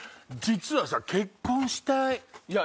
実はさ「結婚したい」。